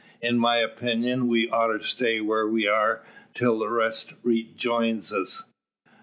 In my opinion we oughter stay where we air till the rest jeins us."